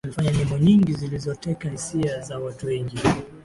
Alifanya nyimbo nyingi zilizoteka hisia za watu wengi